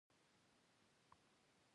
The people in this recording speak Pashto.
د وینې پاکوالی د بدن قوت زیاتوي.